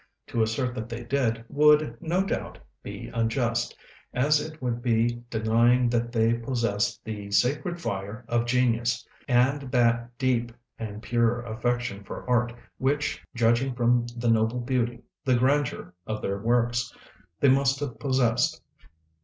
To assert that they did, would, no doubt, be unjust, as it would be denying that they possessed the "sacred fire of genius," and that deep and pure affection for art, which, judging from the noble beauty, the grandeur, of their works, they must have possessed.